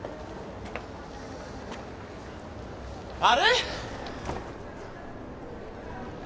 あれ？